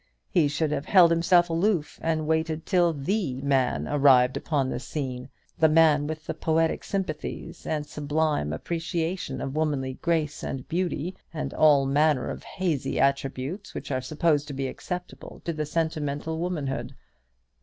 He should have held himself aloof, and waited till the man arrived upon the scene, the man with poetic sympathies and sublime appreciation of womanly grace and beauty, and all manner of hazy attributes which are supposed to be acceptable to sentimental womanhood.